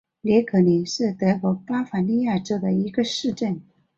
勒格灵是德国巴伐利亚州的一个市镇。